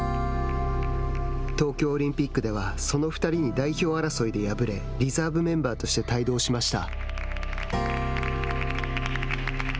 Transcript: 東京オリンピックではその２人に代表争いで敗れリザーブメンバーとして帯同しました。